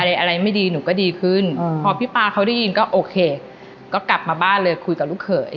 อะไรอะไรไม่ดีหนูก็ดีขึ้นพอพี่ป๊าเขาได้ยินก็โอเคก็กลับมาบ้านเลยคุยกับลูกเขย